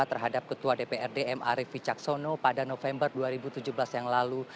terhadap ketua dprd m ariefi caksono pada november dua ribu tujuh belas yang lalu